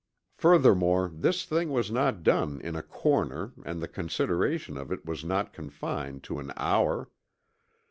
Furthermore this thing was not done in a corner and the consideration of it was not confined to an hour.